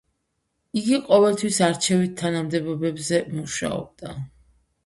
იგი ყოველთვის არჩევით თანამდებობებზე მუშაობდა.